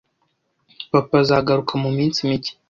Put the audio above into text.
Papa azagaruka muminsi mike.